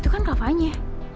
itu kan kak fahy nya